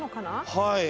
はい。